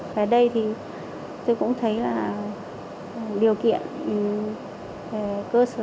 về đây thì tôi cũng thấy là điều kiện về cơ sở